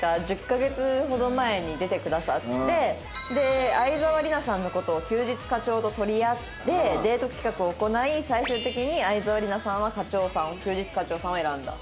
１０カ月ほど前に出てくださって沢りなさんの事を休日課長と取り合ってデート企画を行い最終的に沢りなさんは課長さんを休日課長さんを選んだ。